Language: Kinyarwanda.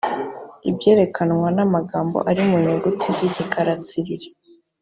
ibyerekanwa n amagambo ari mu nyuguti z igikara tsiriri